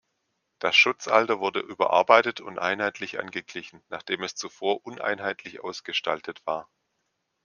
Das Schutzalter wurde überarbeitet und einheitlich angeglichen, nachdem es zuvor uneinheitlich ausgestaltet war.